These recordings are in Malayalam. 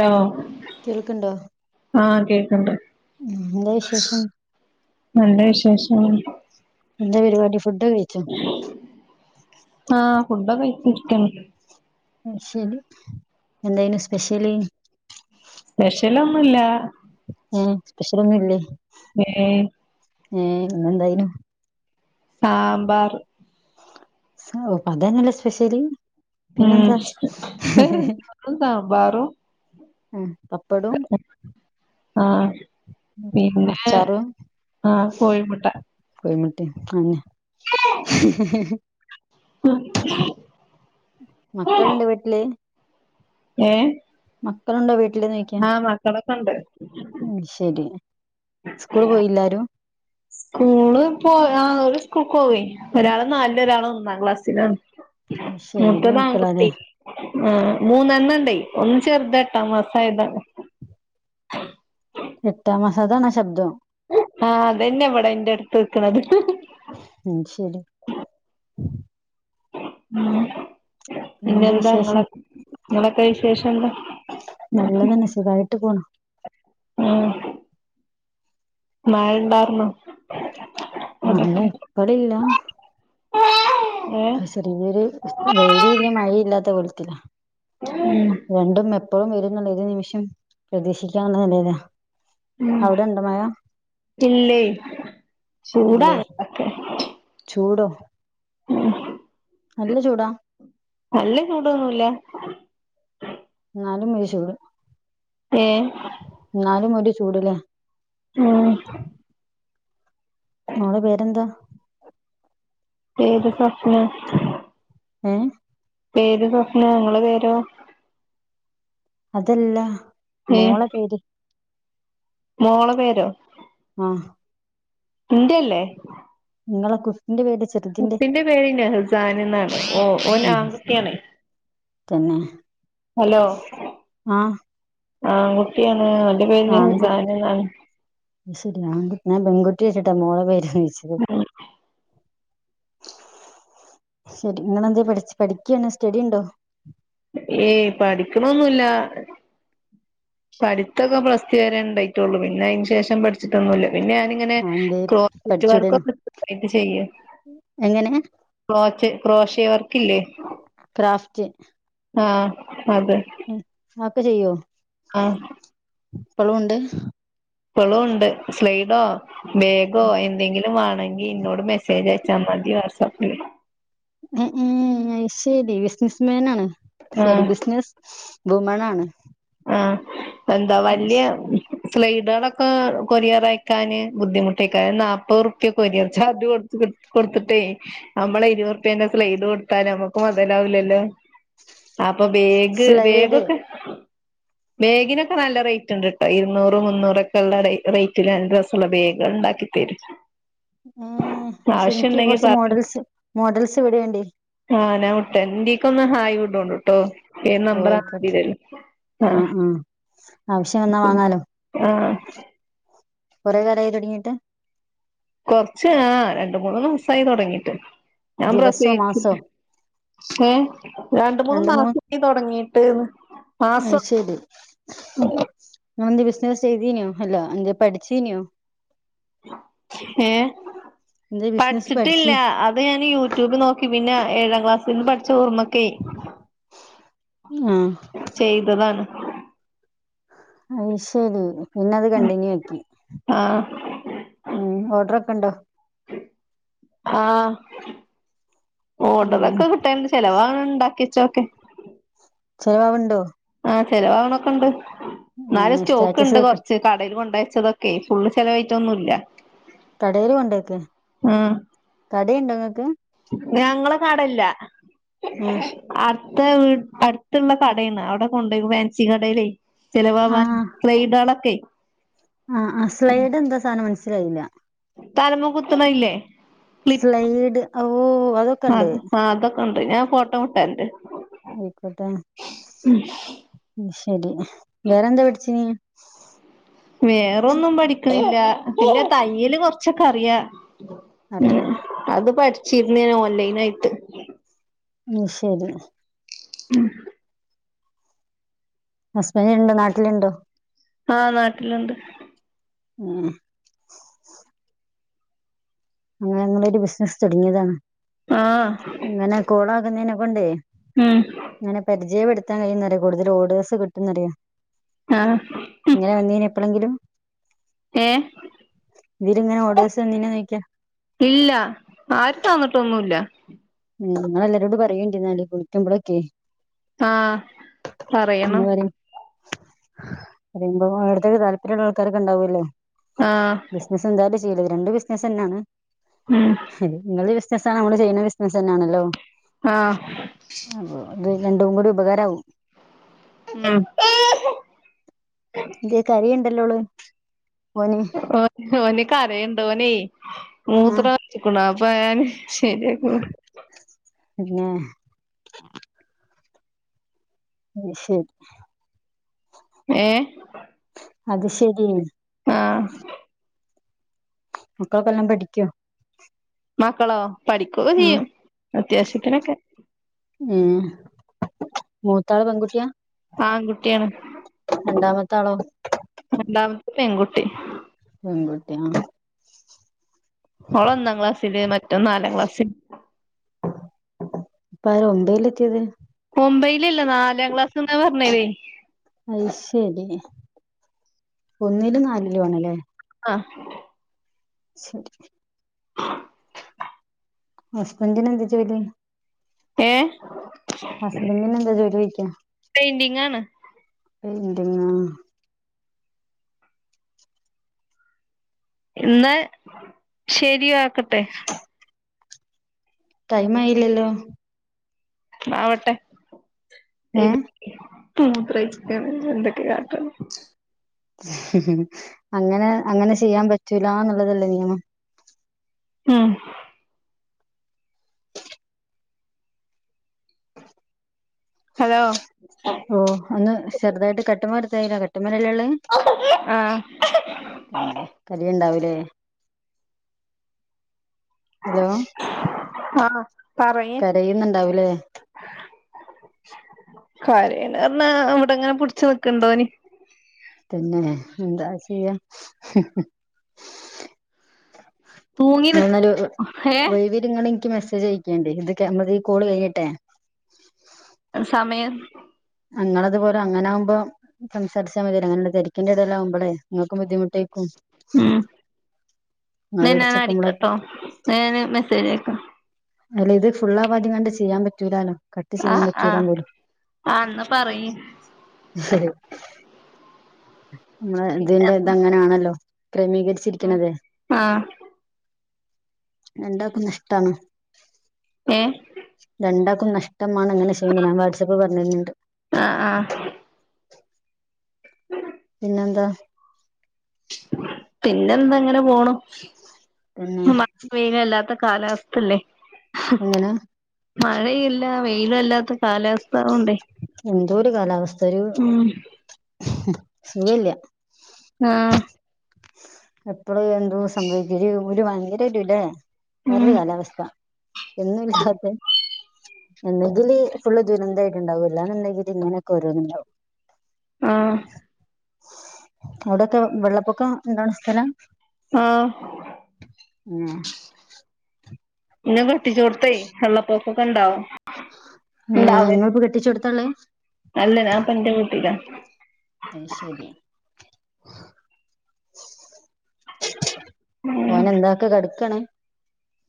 ലോ കേൾക്കണ്ടോ ആ കേക്കണ്ട് ഉം എന്താ വിശേഷം ഉം എന്താ പരിപാടി ഫുഡ് കഴിച്ചോ ആ ഫുഡൊക്ക കഴിച്ച് ഇരിക്കാണ് സ്പെഷല് എന്തായനു സ്പെഷ്യല് സ്പെഷ്യലൊന്നുല്ലാ ഉം സ്പെഷ്യൽ ഒന്നുല്ലേ ഏ ഏ ഇന്നെന്തായനു സാമ്പാർ ഓ പ്പ അതന്നല്ലേ സ്പെഷ്യല് ഉം പിന്നെന്താ [unintelligible] സാമ്പാറും ഉം പപ്പടോം ആഹ് പിന്നെ അച്ചറും ആഹ് കോഴിമുട്ട കു ആനാ [inaudible] മക്കളുണ്ടോ വീട്ടില് ഏ മക്കളുണ്ട് വീ [unintelligible] മക്കളൊക്കെണ്ട് ഉം ശരി സ്കൂൾ പോയില്ലാരും സ്കൂള് പോ ആ ഓല് സ്കൂൾക്കൊകെ ഒരാള് നാലിലും ഒരാള് ഒന്നാം ക്ലാസ് ശരി വല്യ മക്കളാല്ലേ മുത്തതാൺക്കുട്ടി ആ മൂന്നണ്ണ ഒന്ന് ചെറുതെട്ടാമസായതാ ഏട്ടാ മസാധനാ ശബ്ദം ആ അതന്നെ ഇവിടെ എന്റെട്ത്ത് ക്കണത് ഉം ശരി ഉം പിന്നെന്താ നിങ്ങള നിങ്ങളക്ക വിശേഷം എന്താ നല്ലതന്നെ സുഖായിട്ട് പോണ് ഉം മഴ ഇണ്ടാർന്നോ മഴ അതൊക്കെ ഇപ്പളില്ല ഏഹ് ചെറിയൊരു വയിലുല്ലാ മഴയുല്ലാത്ത കോലത്തില ഉം രണ്ടും എപ്പോഴും വരും എന്നുള്ള ഏത് നിമിഷം പ്രതീക്ഷിക്കാവുന്ന നിലേല ഉം ഇല്ലേ ഇല്ലേ ചൂടാണ് ചൂടോ ഉം നല്ല ചൂടാ നല്ല ചൂടൊന്നുല്ല നാലും ചൂട് ഏ ട്ടി ചൂട് ല്ലേ ഉം മോള പേരെന്താ പേര് സ്വപ്ന ഏ പേര് സ്വപ്ന ങ്ങള പേരോ അതല്ല മോള പേര് മോള പേരോ ആഹ ഇന്റല്ലേ നിങ്ങളെ ക്കു കുട്ടിന്റെ പേര് നെഹ്സാനെന്നാണ് ഓ ഓൻ ഉം ആൺകുട്ടിയാണ തന്നെ ആഹ ആൺകുട്ടിയാണ് അവന്റെ പേര് നഹ്സാനെന്നാണ് ച്ചിട്ട മോള പേര് ചോയ്ച്ചത് ശരി ഇങ്ങളെന്തേ പഠിച് പഠിക്കാണ് സ്റ്റഡിണ്ടോ ഏയ് പഠിക്കണൊന്നുല്ല പഠിത്തൊക്കെ പ്ലസ് ടു വരെണ്ടായിട്ടുള്ളു പിന്നെ അയ്ന് ശേഷം പഠിച്ചിട്ടൊന്നുല്ല പിന്നെ ഞാനിങ്ങനെ ആ എന്തേ ക്രോർക്കെറ്റ് പഠിച്ചൂടേനോ വർക്കൊക്കെ ചെയ്യ എങ്ങനെ ക്രോചെ ക്രോശെവർക്കില്ലേ ക്രാഫ്റ്റ് ആഹ അക്കെ ചെയ്യോ ആ ഇപ്പളും ഉണ്ട് ഇപ്പളും ഉണ്ട് സ്ലൈഡോ ബേഗോ എന്തെങ്കിലും വേണെങ്കി ന്നോട് മെസ്സേജ് അയച്ചാ മതി വാട്സപ്പില് ഉം ഉം അയ് ശരി ബിസിനസ്മാൻ ആണ് സോറി ബിസിനസ് വുമണ ആഹഎന്താ വല്യ സ്ലൈഡുകളൊക്കെ കൊറിയർ അയക്കാന് ബുദ്ധിമുട്ടെക്കാ അത് നാപ്പത്റുപ്യക്ക കൊരിയർ ചാർജ് കൊട് കൊടുത്തിട്ടേ നമ്മള് ഇരുപ റുപ്യേന്റെ സ്ലൈഡ് കൊടുത്താല് നമ്മക്ക് മൊതലാവൂലല്ലോ അപ്പൊ ബേഗ് സ്ലൈഡ് വേഗൊക്കെ [inaudible] ബേഗിനൊക്കെ നല്ല റേറ്റ് ഉണ്ട്ട്ടോ ഇരുന്നൂറ് മുന്നൂറൊക്കെ ഉള്ള റേറ്റ് രസമുള്ള ബേഗ് ഉണ്ടാക്കി ത [inaudible] ഉം പക്ഷെ എനിക്ക് കൊറച്ച് പറ മോഡൽസ് മോഡൽസ് ഇവിടെ ണ്ടേ ട്ടെന്തീക്ക ഒന്ന് ഹൈവുഡ് ണ്ട് ട്ടോ ഏ നമ്പറല് ആ ആ ആവശ്യം എന്നാ വാങ്ങാലോ ആഹ് കുറെേ വേറായി തുടങ്ങിട്ട് കൊറച്ച് ആ രണ്ട് മൂന്ന് മാസായി തുടങ്ങിട്ട് ഞാൻ ദിവസോ മാസോ പ്രസയിച്ചിട്ട് ഏ രണ്ട് മൂന്ന് മാസായി തുടങ്ങിട്ട് [unintelligible] അ ശരി ന്ത് ബിസിനസ് ചെയ്തീനോ ഹല്ലോ അഞ്ച പഠിച്ചീനിയോ ഏ എന്തേ ബിസിനസ് പഠിച്ചിട്ടില്ല പഠിച്ചീ അത് ഞാൻ യൂട്യൂബ് നോക്കി പിന്നെ ഏഴാം ക്ലാസ്സിൽ നിന്ന് പഠിച്ച ഓർമ്മക്കേ ആഹ് ചെയ്തതാണ് അയ് ശരി പിന്നെ അത് കണ്ടിന്യൂ ആക്കി ആഹ് ഉം ഓർഡറൊ കണ്ടോ ആഹ ഉം ഓടറൊക്കെ കിട്ടണ്ട് ചെലവാണ് ഉണ്ടാക്കിച്ചോക്കെ ചെലവാവുണ്ടോ ആ ചെലവാവണൊക്കെ ഉണ്ട് എന്നാലും ഏഹ് സ്റ്റാറ്റസ് സ്റ്റോക്ക്ണ്ട് വെക്ക് കൊറച്ച് കടേല് കൊണ്ടോയി ച്ചതൊക്കെ ഫുളള് ചെലവായിട്ടൊന്നും ഇല്ല കടയിലും കൊണ്ടക്ക് ആഹ് കടുണ്ടങ്ങക്ക് നടടല്ല ആഹ അടുത്തെ അടുത്തുള്ള കടാണ് അവിടെ കൊണ്ടപോയിും ഫാൻസി കടയിലേ ചിലവാവാൻ ആഹ് ക്രൈഡളൊക്കെ ആഹ് അ സ്ലൈഡ് എന്താ സാധനം മനസ്സിലായില്ല തലമ കുത്തണ ഇല്ലേ സ്ലൈഡ് ഓഓ അതൊക്കെ ഉണ്ട് ണ്ട് ഞാൻ ഫോട്ടോ വിട്ടരണ്ട് ക്കട്ടെ ശരി വേറെന്താ പഠിചീനീ വേറൊന്നും പഠിക്കുന്നില്ല പിന്നെ തയ്യല് കൊറച്ചൊക്കെ അറിയ അതെ ചിർനേന ഓൻലൈൻ ആയിത്ത ഉം ശരി ഉം ഹസ്ബന്ഡ ഉണ്ടോ നാട്ടിലുണ്ടോ ആഹ് നാട്ടിലുണ്ട് ഉം അങ്ങനെ നിങ്ങളരു ബിസിനസ്സ് തുടങ്ങിയതാണ് ആഹ ഓനിന്നെ കൊണ്ടേ അങ്ങനെ പരിചയപ്പെടുത്താൻ കഴിയുന്നറിയ കൂടുതൽ ഓഡർസ് കിട്ടുന്നറിയോ ആഹ് ഇങ്ങനെ വന്നീ എപ്പോഴെങ്കിലും ഏഹ് ഇവരി ഇങ്ങനെ ഓഡർസ് വെന്നിനോ നോക്യ ഇല്ല ആരും തന്നിട്ടൊന്നുമില്ല നിങ്ങൾ എല്ലാരോട് പറയണ്ടി എന്നാൽ ക്കുമ്പോഴൊക്കെ [unintelligible] ആഹ പറയണം ഇങ്ങനെ പറയും പറയുമ്പോ അവിടുത്തേക്ക താല്പര്യമുള്ള ആൾക്കാരൊക്കെണ്ടാവല്ലേ ആഹ് ബിസിന എന്തായാലും ചെയ്യത് രണ്ട് ബിസിനസ്ന്നെയാണ് ഉം നിങ്ങള് ബസ്സിന് നമ്മ ചെയ്യുന്ന ബിസിനസ്തന്നെ യാണല്ലോ ആഹ അതും കൂടി ഉപകാരവും ആഹ [unintelligible] അല്ലേയുള്ളു ഓ ഓന കരയുണ്ട ഓന ആഹ് മൂത്രം വക്കണ അപ്പൊ ഞാൻ ശരിയക്ക [unintelligible] പിന്നെ ശരി ഏ അത് ശരി ആഹ മക്കൾക്കെല്ലാം പഠിക്കോ മക്കളോ പഠിക്കുക ആഹ് ചെയ്യും അത്യാവശ്യത്തിനൊക്കെ മൂത്ത ആൾ പെൺകുട്ടിയ ആൺകുട്ടിയാണ് രണ്ടാമത്തേളോ രണ്ടാമത്തെ പെൺകുട്ടി പെൺകുട്ടി ആ ഓള ഒന്നാം ക്ലാസ്സില് മറ്റോ നാലാം ക്ലാസ്സില് ഇപ്പാ ആരാ ഒമ്പതിൽ എത്തിയത് ഒമ്പയിലല്ല നാലാം ക്ലാസ്ന്നാ പറഞ്ഞതേ അയ് ശരി ഒന്നിലും നാലിലും ആണല്ലേ ആഹ് ശരി ഹസ്ബൻ്റിന് എന്താ ജോലി ഏഹ് ഹസ്ബൻഡിന് എന്താ ജോലി ചോദിക്കാ പെയിന്റിംഗ് ആണ് അത്‌ എന്തിനാ ഇന്ന് ശരിയാക്കട്ടെ ടൈമായില്ലല്ലോ ആവട്ടെ ഏഹ് മൂത്രഴിച്ചിക്ക് എന്തൊക്കെ കാട്ടണത് അങ്ങനെ അങ്ങനെ ചെയ്യാൻ പറ്റൂലാന്നുള്ളതല്ലേ നിയമം മ്മ് ഹലോ ഓഹ് ഒന്ന് ചെറ്തായിട്ട് കട്ട്മട്ത്തായില്ല കട്ട് ട്ട്മ്മല്ലേള്ളേ ആഹ് പിന്നെ കരിണ്ടാവുലേ ഹലോ ആഹ് പറയ് കരയുന്നുണ്ടാവൂലേ കരയ്ണ്റഞ്ഞാ അവിടെങ്ങനെ പിടിച്ച് നിക്ക്ണ്ടോന് തന്നെ എന്താ ചെയ്യാ തൂങ്ങി [unintelligible] നിക്ക ഏ മെസ്സേജ് അയക്കേണ്ടി ഇത് നമ്മടെ ഈ കോൾ കയ്യേട്ടെ സമയം അങ്ങളതുപോലെ അങ്ങനാവുമ്പോ സംസാരിച്ചാ മതി അങ്ങനല്ല തെരക്കിന്റെടേല് ആവുമ്പളെ നിങ്ങക്കും ബുദ്ധിമുട്ട് മ്മ് ഇന്നാ ഞാൻ അടിക്കട്ടോ ഇന്നാ ഞാന് മെസ്സേജ്‌ അയക്ക അല്ല ഇത് ഫുള്ള് ആവാണ്ട് കണ്ട് ചെയ്യാൻ പറ്റൂലാലോ കട്ട് ചെയ്യാൻ ആഹ് പറ്റുല്ല ആഹ് പോലും ആഹ് എന്നാ പറയ് നമ്മടെ ഇതിന്റെ ഇതങ്ങനെയാണല്ലോ ഉം ക്രമീകരിച്ചിരിക്ക്ണത് ആഹ് രണ്ടാക്കും നഷ്ട്ടാണ് ഏ രണ്ടാക്കും നഷ്ട ഷ്ടമാണ് അങ്ങനെ ചെയ്യുന്നത് ഞാൻ വാട്സ്ആപ്പിൽ പറഞ്ഞര്ന്ണ്ട് ആഹ് ആഹ് പിന്നെന്ത പിന്നെ എന്താങ്ങനെ പോണു പിന്നെ [unintelligible] കാലാവസ്ഥല്ലേ എങ്ങനെ മഴയില്ല വെയിലല്ലാത്ത കാലാവസ്ഥ ആയോണ്ടെ എന്തോ ഒരു കാലാവസ് മ്മ് സുഖല്ല്യാ ആഹ് എപ്പഴും എന്തോ സംഭവിക്ക ഒരു ഭയങ്കരരുല്ലേ വേറൊരു ഉം കാലാവസ്ഥ എന്നും ഇല്ലാതെ എന്തെങ്കില് ഫുളള് ദുരന്തായിട്ട്ണ്ടാവും ഇല്ലാന്ന്ണ്ടെങ്കില് ഇങ്ങനെയൊക്കെരോന്നുണ്ടാവും ആഹ് അവിടൊക്കെ വെള്ളപ്പൊക്കം ഇണ്ടാവ്ണ സ്ഥലാ ആഹ് ഏഹ് ഇന്നെ കെട്ടിച്ചോട്ത്തേ വെള്ളപ്പൊക്കൊക്കെണ്ടാവും ഏഹ് നിങ്ങളിപ്പ കെട്ടിച്ചോട്ത്താള്ളേ അല്ല ഞാപ്പോ ഇന്റെ വീട്ടിലാ അത് ശരി ഓന് എന്താക്കാ കേടക്കാണ്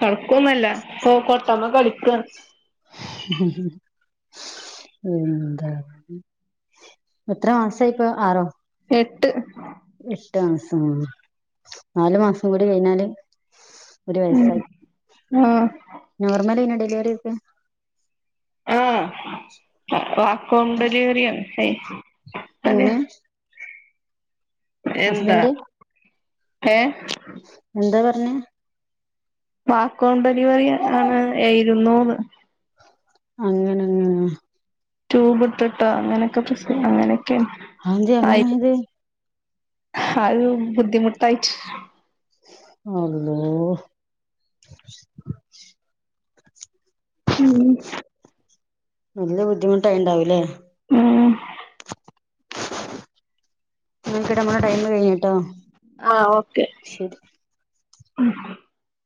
കേടക്കൊന്നല്ല ഇപ്പൊ കൊട്ടമ്മെ കളിക്കാണ് എന്താ എത്ര മാസായിപ്പോ ആറോ എട്ട് എട്ട് മാസം നാലു മാസം കൂടി കഴിഞ്ഞാല് ഒരു ഉം വയസായി ആഹ് നോർമലന്നെ ഡെലിവറി ഒക്കെ ആ വാക്വം ഡെലിവറിയാണ് ഹേ എങ്ങനെ എന്താ ഹസ്ബൻഡ് ഏ എന്താ പറഞ്ഞേ വാക്വം ഡെലിവറി ആണ് ആയിരുന്നൂന്ന് അങ്ങനങ്ങ് ട്യൂബ് ഇട്ടിട്ട് അങ്ങനൊക്കെ പ്രശ്ന അങ്ങനെ അതെന്തേ അങ്ങനെ ആയത്? അത് ബുദ്ധിമുട്ടായിട്ട്. അള്ളോ ഉം നല്ല ബുദ്ധിമുട്ടായിണ്ടാവൂലേ? ഉം ഇന്നത്തെ നമ്മളെ ടൈമ് കഴിഞ്ഞു ട്ടോ ശരി. ഉം